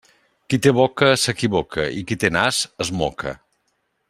Qui té boca s'equivoca i qui té nas es moca.